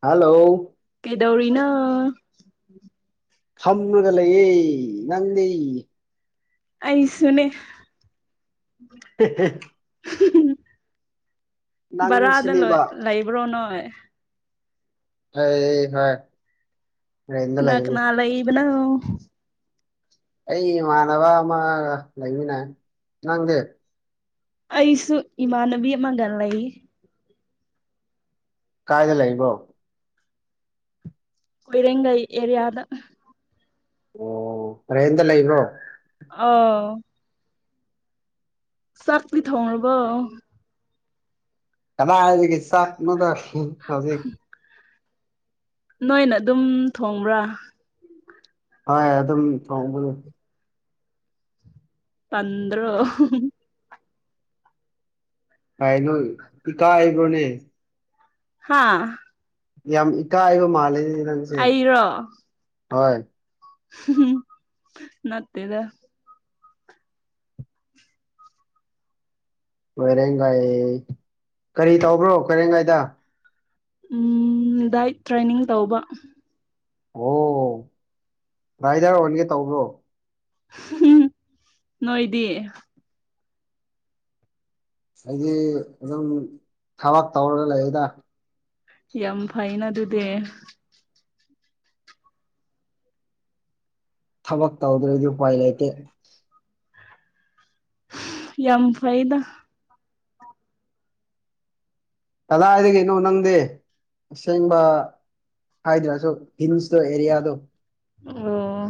hello ꯑꯦꯗꯧꯔꯤꯅ ꯐꯝꯔꯥꯒꯥ ꯂꯩꯌꯦ ꯅꯪꯗꯤ ꯑꯩꯁꯨꯨꯅꯦ [inaudible] [inaudible] ꯕꯔꯥꯗ ꯂꯣꯏ ꯅꯪꯁꯨꯅꯦꯕ ꯂꯩꯕ꯭ꯔꯣ ꯅꯣꯏ ꯍ ꯍꯥꯏ ꯅꯥꯅꯥ ꯂꯩ ꯏꯕꯅ ꯑꯩ ꯏꯃꯥꯟꯅꯕ ꯑꯃ ꯂꯩꯃꯤꯟꯅ ꯅꯪꯗꯦ ꯑꯩꯁꯨ ꯏꯃꯥꯟꯅꯕꯤ ꯑꯃꯒ ꯂꯩ ꯀꯥꯏꯗ ꯂꯩꯕꯣ ꯍꯣꯏꯔꯒꯥꯏ ꯑꯦꯔꯤꯌꯥꯗ ꯑꯣ ꯇ꯭ꯔꯦꯟꯗ ꯂꯩꯕ꯭ꯔꯣ ꯑ ꯆꯥꯛꯤ ꯊꯣꯡꯔꯔꯕꯣ ꯂꯑ ꯆꯥꯛꯅꯗ ꯍꯧꯖꯤꯛ ꯅꯣꯏꯅ ꯑꯗꯨꯝ ꯊꯣꯡꯕ꯭ꯔꯥ ꯍ ꯑꯗꯨꯝ ꯊꯣꯡꯕꯅꯦ ꯄꯗ꯭ꯔꯣ ꯍꯥꯏꯅ ꯀꯥ ꯍꯥꯏꯕ꯭ꯔꯣꯅꯦ ꯍꯥꯥ ꯌꯥꯝ ꯏ ꯀ ꯍꯥꯏꯕ ꯃꯥꯂꯦ ꯑꯩꯔꯣ ꯍꯣꯏ ꯅꯥꯥꯠꯇꯦꯗ ꯀꯣꯏꯔꯦꯡꯒꯥꯏ ꯀꯔꯤ ꯇꯧꯕ꯭ꯔꯣ ꯈꯣꯏꯔꯦꯡꯒꯥꯏꯗ ꯎꯝ ꯗꯥꯏꯠ ꯇ꯭ꯔꯦꯅꯤꯡ ꯇꯧꯕ ꯑꯣ ꯔꯥꯏꯗꯔ ꯑꯣꯏꯒꯦ ꯇꯧꯕ꯭ꯔꯣ ꯎꯝ ꯅꯣꯏꯣꯏꯗꯤ ꯑꯩꯗꯤ ꯑꯗꯨꯝ ꯊꯕꯛ ꯇꯧꯔꯒ ꯂꯩꯌꯦꯗ ꯌꯥꯝ ꯐꯥꯏꯟ ꯑꯗꯨꯗ ꯊꯕꯛ ꯇꯧꯗ꯭ꯔꯗꯤ ꯎꯄꯥꯏ ꯂꯩꯇꯦ ꯌꯥꯝ ꯐꯥꯏꯗ ꯀꯗꯥꯏꯗꯒꯤꯅꯣ ꯅꯪꯗꯤ ꯑꯁꯦꯡꯕ ꯍꯥꯏꯗ꯭ꯔꯥꯁꯨꯣ ꯍꯤꯜꯁꯇ ꯑꯦꯔꯤꯌꯥꯗꯣ ꯑꯣ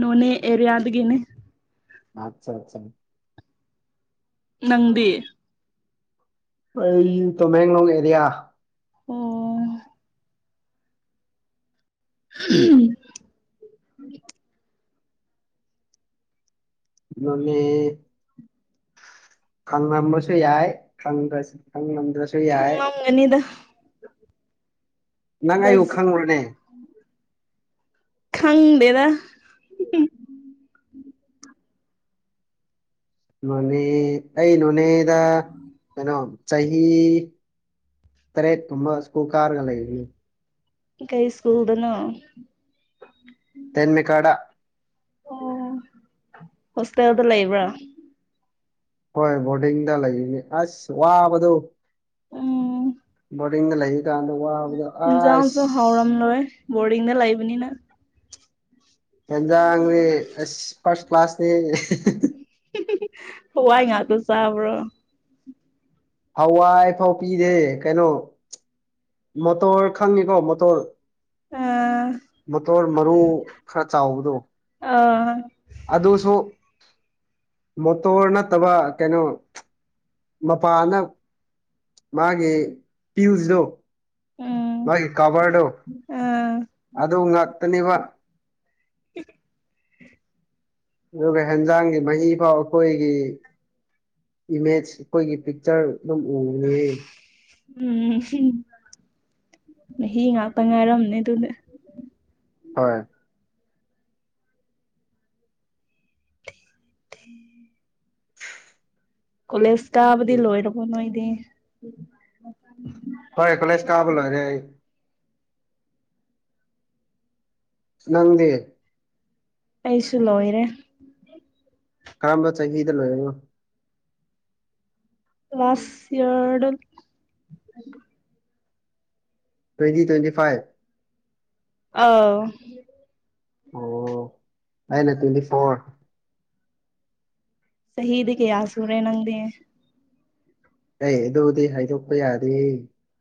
ꯅꯣꯅꯦ ꯑꯦꯔꯤꯌꯥꯗꯒꯦꯅꯦ ꯑꯠꯆꯥ ꯑꯠꯆꯥ ꯅꯪꯗꯤ ꯑꯩ ꯇꯣꯃꯦꯒꯡꯂꯣꯡ ꯑꯦꯔꯤꯌꯥ ꯑꯣ [inaudible] ꯅꯃꯤ ꯈꯪꯂꯝꯝꯕꯁꯨ ꯌꯥꯏ ꯈꯪꯗ꯭ꯔꯁꯨ ꯈꯪ ꯍ ꯃꯅꯤꯗ ꯅꯪ ꯑꯩꯌꯨ ꯈꯪꯪꯂꯨꯔꯅꯦ ꯈꯪꯗꯦꯗ ꯅꯣꯅꯦ ꯑꯩ ꯅꯣꯅꯦꯗ ꯀꯩꯅꯣ ꯆꯍꯤ ꯇꯔꯦꯠ ꯇꯨꯝꯃ ꯁꯨ ꯀꯥꯔꯒ ꯂꯩ ꯏꯗꯤ ꯀꯩ ꯁꯀꯨꯜꯗꯅ ꯇꯦꯟꯃꯤ ꯀꯔ ꯑꯣ ꯍꯣꯁꯇꯦꯜꯗ ꯂꯩꯕ꯭ꯔꯥ ꯍꯣꯏ ꯕꯣꯔꯗꯤꯡꯗ ꯂꯩꯔꯤꯅꯤ ꯑꯁ ꯋꯥꯕꯗꯨꯣ ꯍꯣꯔꯅ ꯂꯩ ꯏꯤꯟꯖꯥꯡꯁꯨ ꯍꯥꯎꯔꯝꯂꯣꯏ ꯕꯣꯔꯗꯤꯡꯗ ꯂꯩꯕꯅꯤꯅ ꯍꯦꯟꯖꯥꯡꯅꯤ ꯐꯔꯁ ꯀ꯭ꯂꯥꯁꯅꯤ ꯍꯋꯥꯏ ꯉꯥꯥꯛꯣ ꯆꯥꯕ꯭ꯔꯣ ꯍꯋꯥꯏꯐꯧ ꯄꯤꯗꯦ ꯀꯩꯅꯣ ꯃꯣꯇꯣꯔ ꯈꯪꯉꯤꯀꯣ ꯃꯣꯇꯣꯔ ꯑꯥ ꯃꯣꯇꯣꯔ ꯃꯔꯨ ꯈꯔ ꯆꯥꯎꯕꯗꯣ ꯑꯥ ꯑꯗꯨꯁꯨ ꯃꯣꯇꯣꯔ ꯅꯠꯇꯕ ꯀꯩꯅꯣ ꯃꯄꯥꯅ ꯃꯥꯒꯤ ꯄꯤꯨꯁꯗꯣ ꯎꯝ ꯃꯥꯒꯤ ꯀꯕꯔꯗꯨꯣ ꯑꯥ ꯑꯗꯨ ꯉꯥꯛꯇꯅꯦꯕ [inaudible] ꯑꯗꯨꯒ ꯍꯦꯟꯖꯥꯡꯒꯤ ꯃꯍꯤ ꯐꯥꯎ ꯑꯩꯈꯣꯏꯒꯤ ꯏꯃꯦꯖ ꯑꯩꯈꯣꯏꯒꯤ ꯄꯤꯛꯆꯔ ꯑꯗꯨꯝ ꯎꯅꯦ ꯎꯝ ꯃꯍꯤ ꯉꯥꯛꯇ ꯉꯥꯏꯔꯝꯅꯦ ꯑꯗꯨꯅꯦ ꯍꯣꯏ ꯎꯝ ꯀꯣꯂꯦꯖ ꯇꯕꯗꯤ ꯂꯣꯏꯔꯔꯕ ꯅꯣꯏꯗꯤ ꯍꯣꯏ ꯀꯂꯦꯁ ꯀꯥꯕꯂꯔꯦ ꯁ ꯅꯪꯗꯦ ꯑꯩꯁꯨ ꯂꯣꯏꯔꯦ ꯀꯔꯝꯕ ꯆꯍꯤꯗ ꯂꯣꯏꯔꯅꯣ ꯔꯁꯤꯔ ꯇ꯭ꯋꯦꯟꯇꯤ ꯇ꯭ꯋꯦꯟꯇꯤ ꯐꯥꯏꯚ ꯑꯥꯎ ꯑꯣ ꯀꯥꯏꯅ ꯇ꯭ꯋꯦꯟꯗꯤ ꯐꯣꯔꯣꯔ ꯁꯍꯤꯗꯤ ꯀ ꯌꯥ ꯁꯨꯔꯦ ꯅꯪꯗꯤꯦ ꯑꯩ ꯑꯗꯨꯗꯤ ꯍꯥꯏꯗꯣꯛꯄ ꯌꯥꯗꯦ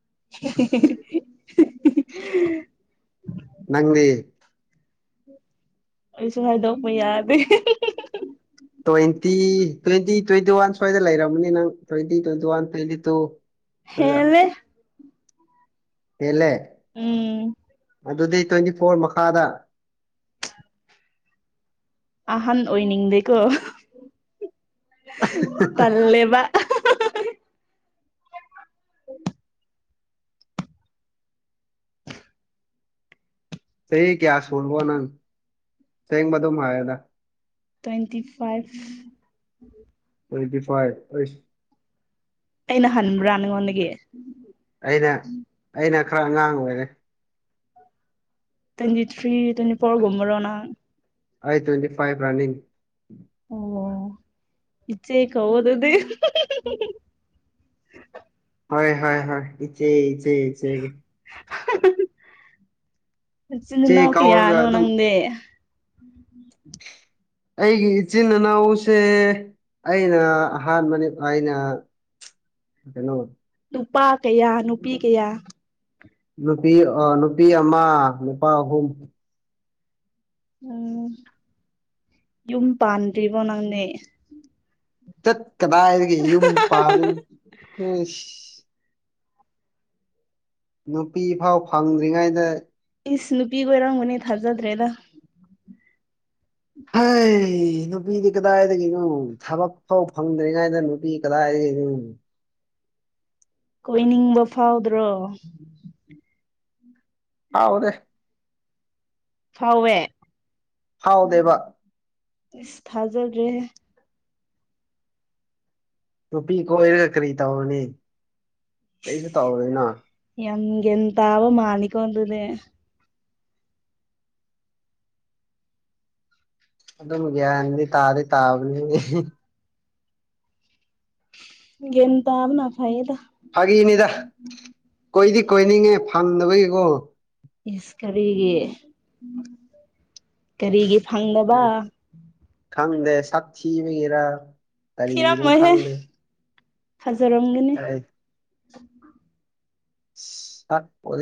[inaudible] ꯅꯪ ꯑꯩꯁꯨ ꯍꯥꯏꯗꯣꯛꯄ ꯌꯥꯗꯦ ꯇ꯭ꯋꯦꯟꯇꯤ ꯇ꯭ꯋꯦꯟꯇꯤ ꯇ꯭ꯋꯦꯟꯇꯤ ꯋꯥꯟ ꯁ꯭ꯋꯥꯏꯗ ꯂꯩꯔꯝꯃꯅꯤ ꯅꯪ twenty twenty one twenty two ꯍꯦꯂꯦ ꯍꯂꯦ ꯎꯝ ꯑꯗꯨꯗꯤ ꯇ꯭ꯋꯦꯟꯇꯤ ꯐꯣꯔ ꯃꯈꯥꯗ ꯑꯍꯟ ꯑꯣꯏꯅꯤꯡꯗꯦꯀꯣ ꯄꯦꯜꯂꯦꯕ ꯁꯦꯡ ꯀꯌꯥ ꯁꯜꯕꯣ ꯅꯪ ꯁꯦꯡ ꯃꯗꯨꯣ ꯃꯥꯋꯦꯗ ꯇ꯭ꯋꯦꯟꯇꯤ ꯐꯥꯏꯚ ꯇ꯭ꯋꯦꯟꯇꯤ ꯐꯥꯏꯚ ꯑꯩꯁ ꯑꯩꯅ ꯍꯟꯕ꯭ꯔꯥ ꯅꯉꯣꯟꯗꯒꯤ ꯑꯩꯅ ꯑꯩꯅ ꯈꯔ ꯑꯉꯥꯡ ꯑꯣꯏꯔꯦ ꯇ꯭ꯋꯦꯟꯇꯤ ꯊ꯭ꯔꯤ ꯇ꯭ꯋꯦꯟꯇꯤ ꯐꯣꯔ ꯨꯝꯕꯔꯣ ꯅꯪ ꯍꯥꯏ ꯇꯋꯦꯟꯗꯤ ꯐꯥꯏꯕ ꯔꯥꯅꯤ ꯑꯣ ꯏꯆꯦ ꯀꯋ ꯑꯗꯨꯗꯤ ꯍ ꯍ ꯍ ꯏꯆꯦ ꯏꯆꯦ ꯏꯆꯦ ꯏꯆꯦ ꯅ ꯑꯣ ꯀꯧꯔꯒ ꯌꯥꯅ ꯑꯗꯨꯝ ꯋꯥꯅꯗꯦ ꯎꯝ ꯎꯝ ꯑꯩꯒꯤ ꯏꯆꯤꯟꯅꯥꯎꯁꯦ ꯑꯩꯅ ꯑꯍꯥꯟꯕꯅꯤ ꯑꯩꯅ ꯀꯩꯅꯣ ꯅꯨꯄꯥ ꯀꯌꯥ ꯅꯨꯄꯤ ꯀꯌꯥ ꯅꯨꯄꯤ ꯅꯨꯄꯤ ꯑꯃ ꯅꯨꯄꯥ ꯑꯍꯨꯝ ꯎꯝ ꯌꯨꯝ ꯄꯥꯟꯗ꯭ꯔꯤꯕꯣ ꯅꯪꯅꯦ ꯆꯠ ꯀꯗꯥꯏꯒꯦ ꯌꯨꯝ ꯄꯥꯜꯂꯤꯅ ꯎ ꯅꯨꯄꯤ ꯐꯥꯎ ꯐꯪꯗ꯭ꯔꯤꯉꯩꯗ ꯏꯁ ꯅꯨꯄꯤꯒ ꯑꯣꯏꯔꯝꯒꯅꯦ ꯊꯥꯖꯗ꯭ꯔꯦꯗ ꯍ ꯅꯨꯄꯤꯗꯤ ꯀꯗꯥꯏꯗꯒꯤꯅꯣ ꯊꯕꯛ ꯐꯥꯎ ꯐꯪꯗ꯭ꯔꯤꯉꯩꯗ ꯅꯨꯄꯤ ꯀꯗꯥꯏꯗꯒꯤꯅꯣ ꯀꯣꯏꯅꯤꯡꯕ ꯐꯥꯎꯗ꯭ꯔꯣ ꯍꯥꯎꯗꯦ ꯐꯋꯦ ꯐꯥꯎꯗꯦꯕ ꯏꯁ ꯐꯥꯖꯜ ꯔꯦ ꯅꯨꯄꯤ ꯀꯣꯏꯔꯒ ꯀꯔꯤ ꯇꯧꯔꯅꯤ ꯀꯩꯁꯨ ꯇꯧꯔꯣꯏꯅꯣ ꯑꯦꯇꯕ ꯃꯥꯅꯤꯀ ꯑꯣꯏꯗꯅꯦ ꯑꯗꯨꯝꯒ꯭ꯌꯥꯅꯤꯗꯤ ꯇꯥꯗꯤ ꯇꯥꯕꯅꯤ ꯒꯤꯅ ꯇꯕꯅ ꯐꯥꯏꯗ ꯐꯥꯒꯤꯅꯤꯗ ꯀꯣꯏꯗꯤ ꯀꯣꯏꯅꯤꯡꯉꯦ ꯐꯝꯗꯕꯒꯤꯀꯣ ꯌꯦꯁ ꯀꯔꯤꯒꯤ ꯀꯔꯤꯒꯤ ꯐꯪꯅꯕ ꯈꯪꯗꯦ ꯁꯥꯛꯊꯤ ꯑꯣꯏꯒꯦꯔꯥ ꯀꯔꯤꯒꯤꯅꯣ ꯈꯪꯗꯦ ꯊꯖꯔꯝꯒꯅꯤ ꯆꯥꯛꯄꯦ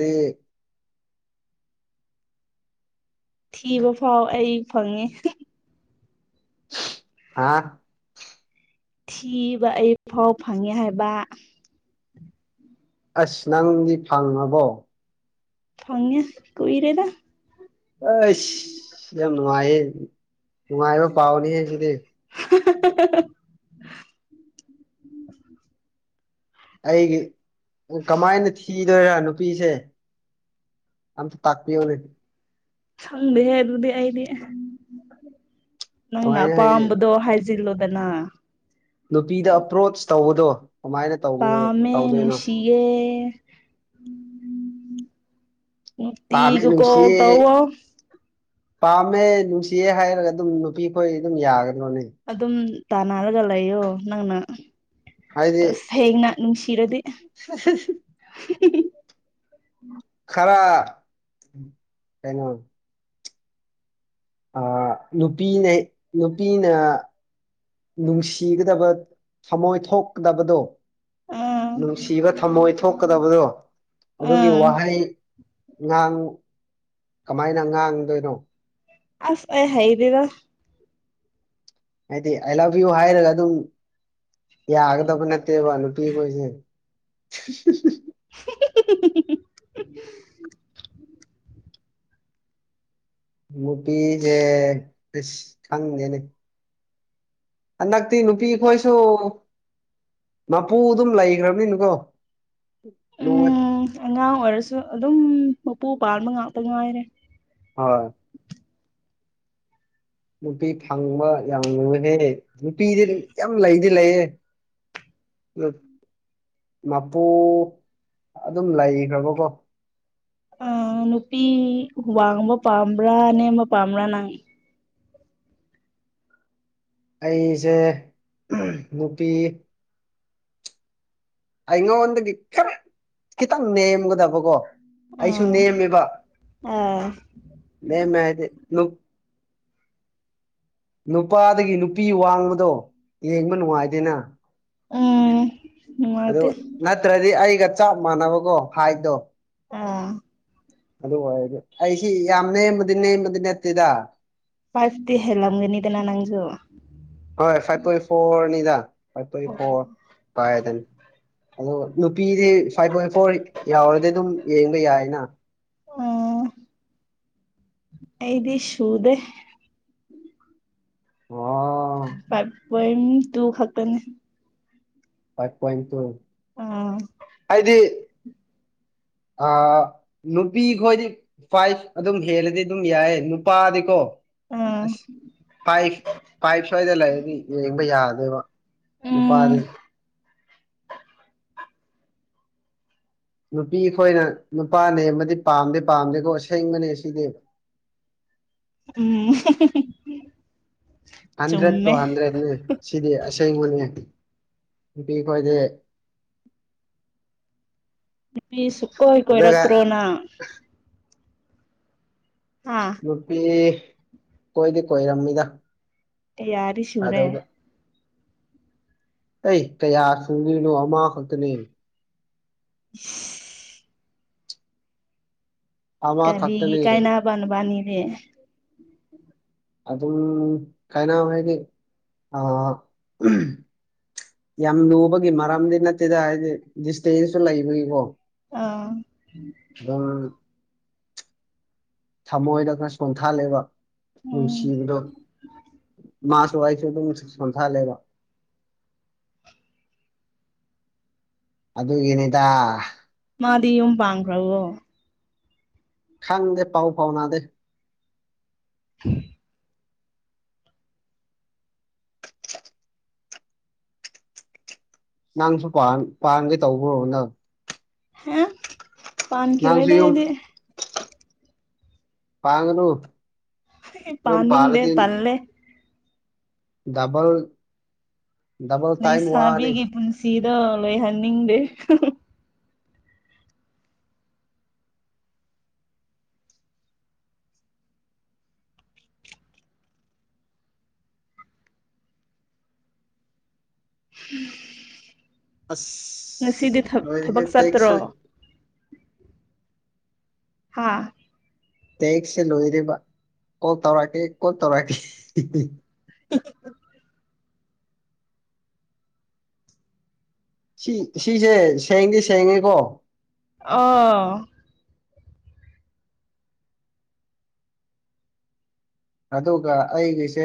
ꯊꯤꯕ ꯐꯥꯎ ꯑꯩ ꯐꯪꯉꯦ ꯍꯥꯥ ꯊꯤꯕ ꯑꯩ ꯐꯥꯎ ꯐꯪꯉꯦ ꯍꯥꯏꯕ ꯑꯁ ꯅꯪꯗꯤ ꯐꯪꯉꯕꯣ ꯐꯪꯉꯦ ꯀꯣꯏ ꯔꯦꯗꯥ ꯇꯨꯡꯉꯥꯏꯕꯨ ꯄꯥꯎꯅꯤ ꯍꯥꯏ ꯁꯤꯗꯤ [unintelligible] ꯑꯩꯒꯤ ꯀꯃꯥꯏꯅ ꯊꯤꯗꯣꯏꯔ ꯅꯨꯄꯤꯁꯦ ꯑꯆꯥ ꯇꯥꯀꯤꯄꯤ ꯌꯎ ꯅ ꯁꯪꯗꯦꯍꯦ ꯑꯗꯨꯗꯤ ꯑꯩꯗꯤ ꯅꯪꯅ ꯀꯃꯥꯏꯅ ꯍꯥꯏꯗꯤ ꯑꯄꯥꯝꯕꯗꯣ ꯍꯥꯏ ꯂꯣꯗꯅ ꯅꯨꯄꯤꯗ ꯑꯄ꯭ꯔꯣꯆ ꯇꯧꯕꯗꯣ ꯀꯃꯥꯏꯅ ꯇꯧꯕꯅ ꯄꯥꯝꯃꯦ ꯇꯧꯗꯣꯏꯅꯣ ꯅꯨꯡꯁꯤꯌꯦ ꯄꯥꯃꯦ ꯅꯨꯡꯇꯤꯒꯤ ꯅꯨꯡꯁꯤ ꯀꯣꯜ ꯇꯧꯋꯣ ꯄꯥꯝꯃꯦ ꯅꯨꯡꯁꯤꯌꯦ ꯍꯥꯏꯔꯒ ꯑꯗꯨꯝ ꯅꯨꯄꯤꯈꯣꯏ ꯑꯗꯨꯝ ꯌꯥꯒꯅꯤ ꯑꯗꯨꯝ ꯇꯥꯟꯅꯔꯒ ꯂꯩꯌꯣ ꯅꯪꯅ ꯍꯥꯏꯗꯤ ꯇꯁ ꯍꯌꯦꯅ ꯅꯨꯡꯁꯤꯔꯗꯤ [unintelligible] ꯈꯔ ꯀꯩꯅꯩꯅꯣ ꯅꯨꯄꯤꯅ ꯅꯨꯄꯤꯅ ꯅꯨꯡꯁꯤꯒꯗꯕ ꯊꯃꯣꯏꯊꯣꯛꯀꯗꯕꯗꯣ ꯑꯥ ꯅꯨꯡꯁꯤꯕ ꯊꯝꯃꯣꯏ ꯊꯣꯛꯀꯗꯕꯗꯣ ꯑꯗꯨꯒꯤ ꯑꯥ ꯋꯥꯍꯩ ꯉꯥꯡ ꯀꯃꯥꯏꯅ ꯉꯥꯡꯗꯣꯏꯅꯣ ꯑꯁ ꯍꯥꯏꯩꯗꯔ ꯍꯥꯏꯗꯤ ꯑꯥꯏ ꯂꯚ ꯌꯨ ꯍꯥꯏꯔꯒ ꯑꯗꯨꯝ ꯌꯥꯒꯗ ꯐꯅꯠꯇ ꯋꯥꯂ ꯄꯤꯣꯏꯁ [inaudible] ꯅꯨꯄꯤꯁꯦ ꯑꯁ ꯈꯪꯗꯦꯅꯦ ꯍꯟꯗꯛꯇꯤ ꯅꯨꯄꯤ ꯈꯣꯏꯁꯨ ꯃꯄꯨ ꯑꯗꯨꯝ ꯂꯩꯈ꯭ꯔꯕꯅꯤꯅꯀꯣ ꯂꯨꯋꯦ ꯎꯝ ꯑꯉꯥꯡ ꯑꯣꯏꯔꯁꯨ ꯑꯗꯨꯝ ꯃꯄꯨ ꯄꯥꯟꯕ ꯉꯥꯛꯇ ꯉꯉꯥꯏꯔꯦ ꯍꯣꯏ ꯅꯨꯄꯤ ꯐꯪꯕ ꯌꯥꯝ ꯉꯨꯍꯦ ꯅꯨꯄꯤꯗꯤ ꯌꯥꯝ ꯂꯩꯗꯤ ꯂꯩꯌꯦꯦ ꯎꯝ ꯃꯄꯨ ꯑꯗꯨꯝ ꯂꯩꯈ꯭ꯔꯕꯀꯣ ꯑ ꯅꯨꯄꯤ ꯋꯥꯡꯕ ꯄꯥꯝꯕ꯭ꯔꯥ ꯅꯦꯝꯕ ꯄꯥꯝꯕ꯭ꯔꯥ ꯅꯪ ꯑꯩꯁꯦ ꯅꯨꯄꯤ ꯑꯩꯉ ꯀꯈꯤꯇꯪ ꯅꯦꯝꯒꯗꯕ ꯀꯣ ꯑꯩꯁꯨ ꯑꯥ ꯅꯦꯝꯃꯦꯕ ꯑꯥ ꯅꯦꯝꯃꯦ ꯍꯥꯏꯗꯤ ꯅꯨꯄꯥꯗꯒꯤ ꯅꯨꯄꯤ ꯋꯥꯡꯃꯗꯣ ꯌꯦꯡꯕ ꯅꯨꯡꯉꯥꯏꯗꯦꯅ ꯎꯝ ꯑꯗꯨ ꯅꯨꯡꯉꯥꯏꯇꯦ ꯅꯠꯇ꯭ꯔꯗꯤ ꯑꯩꯒ ꯆꯞ ꯃꯥꯟꯅꯕꯀꯣ ꯍꯥꯏꯗꯣ ꯑꯥ ꯑꯗꯨ ꯑꯣꯏꯗꯤ ꯑꯩꯁꯤ ꯌꯥꯝ ꯅꯦꯝꯕꯗꯤ ꯅꯦꯝꯃꯗꯤ ꯅꯠꯇꯦꯗ ꯐꯁꯇꯤ ꯍꯂꯒꯅꯤꯗꯅꯥ ꯅꯪꯖꯨ ꯍꯣꯏ ꯐꯥꯏꯚ ꯄꯣꯏꯟ ꯐꯣꯔꯅꯤꯗꯥ ꯐꯥꯏꯚꯣꯏ ꯐꯣꯔ ꯀꯅꯤ ꯑꯗꯣ ꯅꯨꯄꯤꯗꯤ ꯐꯥꯏꯚ ꯄꯣꯏꯟ ꯐꯣꯔ ꯌꯥꯎꯔꯗꯤ ꯑꯗꯨꯝ ꯌꯦꯡꯕ ꯌꯥꯏꯅ ꯑꯣ ꯑꯩꯗꯤ ꯁꯨꯗꯦ ꯑꯣ ꯄ ꯄꯝ ꯇꯨꯡ ꯈꯥꯛꯇꯅꯤ ꯐꯥꯢꯐ ꯄꯣꯢꯟ ꯇꯨ ꯑꯥ ꯍꯥꯏꯗꯤ [inaudible] ꯑ ꯅꯨꯄꯤ ꯈꯣꯏꯗꯤ ꯐꯥꯏꯚ ꯑꯗꯨꯝ ꯍꯦꯜꯂꯗꯤ ꯑꯗꯨꯝ ꯌꯥꯏꯌꯦ ꯅꯨꯄꯥꯗꯤꯀꯣ ꯑꯥ ꯑꯁ ꯐꯥꯏꯚ ꯐꯥꯏꯚ ꯁ꯭ꯋꯥꯏꯗ ꯂꯩꯔꯗꯤ ꯌꯦꯡꯕ ꯌꯥꯗꯦꯕ ꯎꯝ ꯅꯨꯄꯥꯗꯤ ꯅꯨꯄꯤ ꯑꯩꯈꯣꯏꯅ ꯅꯨꯄꯥ ꯅꯦꯝꯕꯗꯤ ꯄꯥꯝꯗꯤ ꯄꯥꯝꯗꯦꯀꯣ ꯑꯁꯦꯡꯕꯅꯦ ꯁꯤꯗꯤ ꯎꯝ ꯍꯟꯗ꯭ꯔꯦꯠ ꯇꯣ ꯆꯨꯝꯃꯦ ꯍꯟꯗ꯭ꯔꯦꯠꯅꯦ ꯁꯤꯗꯤ ꯑꯁꯦꯡꯕꯅꯤ ꯅꯨꯄꯤꯈꯣꯏꯗꯤ ꯅꯨꯄꯤ ꯁꯨꯛꯀꯣꯏ ꯀꯣꯏꯔꯛꯇ꯭ꯔꯣ ꯅꯪ ꯍꯥ ꯅꯨꯨꯄꯤ ꯀꯣꯏꯗꯤ ꯀꯣꯏꯔꯝꯃꯤꯗ ꯀꯌꯥꯗꯤ ꯁꯨꯔꯦ ꯀꯩ ꯀꯌꯥ ꯁꯨꯗꯣꯢꯅꯣ ꯑꯃꯈꯛꯇꯅꯤ [inaudible] ꯑꯃ ꯀꯔꯤꯒꯤ ꯈꯛꯇꯅꯦ ꯀꯥꯏꯅꯕ ꯅꯕꯅꯤꯗꯤ ꯑꯗꯨꯝ ꯀꯥꯏꯅ ꯍꯥꯏꯗꯤ ꯑ ꯌꯥꯝ ꯂꯨꯕꯒꯤ ꯃꯔꯝꯗꯤ ꯅꯠꯇꯦꯗ ꯍꯥꯏꯗꯤ ꯗꯤꯁꯇꯦꯟꯁꯁꯨ ꯂꯩꯕꯒꯤꯀꯣ ꯑꯥ ꯑꯗꯨꯝ ꯊꯃꯣꯏꯗ ꯈꯔ ꯆꯣꯡꯊꯜꯂꯦꯕ ꯎꯝ ꯅꯨꯡꯁꯤꯕꯗꯣ ꯃꯥꯁꯨ ꯑꯩꯁꯨ ꯁꯣꯟꯊꯍꯜꯂꯦꯕ ꯑꯗꯨꯒꯤꯅꯤꯗ ꯃꯗꯤ ꯌꯨꯝ ꯄꯥꯡꯒ꯭ꯔꯕꯣ ꯈꯪꯗꯦ ꯄꯥꯎ ꯐꯥꯎꯅꯥꯗꯦ ꯎꯝ ꯅꯪꯁꯨ ꯄꯥꯟꯒꯦ ꯇꯧꯕꯔꯣ ꯅꯪ ꯍꯦ ꯅꯪꯁꯨ ꯄꯥꯟꯀꯤꯔꯣꯏꯗ ꯌꯨꯝ ꯑꯩꯗꯤ ꯄꯡꯒꯅꯨ ꯄꯥꯟꯅꯤꯡꯗꯦ ꯇꯜꯂꯦ ꯗꯕꯜ ꯗꯕꯜ ꯇꯥꯏꯝ ꯋꯥꯅꯤ ꯁꯤꯗꯣ ꯂꯣꯏꯍꯟꯅꯤꯡꯗꯦ ꯉꯁꯤꯗꯤ ꯑꯁ ꯂꯣꯏꯔꯦꯍꯦ ꯊꯕꯛ ꯆꯠꯇ꯭ꯔꯣ ꯇꯦꯛꯁꯦ ꯍꯥꯥ ꯇꯦꯛꯁꯦ ꯂꯣꯏꯔꯤꯕ ꯀꯣꯜ ꯇꯧꯔꯛꯀꯦ ꯀꯣꯜ ꯇꯧꯔꯛꯀꯦ [inaudible] ꯁꯤ ꯁꯤꯁꯦ ꯁꯦꯡꯗꯤ ꯁꯦꯡꯉꯦꯀꯣ ꯑ ꯑꯗꯨꯒ ꯑꯩꯒꯤꯁꯦ